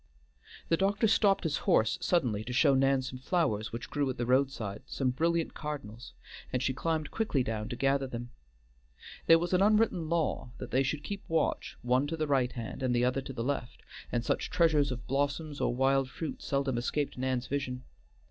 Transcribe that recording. The doctor stopped his horse suddenly to show Nan some flowers which grew at the roadside, some brilliant cardinals, and she climbed quickly down to gather them. There was an unwritten law that they should keep watch, one to the right hand, and the other to the left, and such treasures of blossoms or wild fruit seldom escaped Nan's vision.